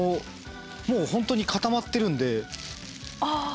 もう本当に固まってるんで。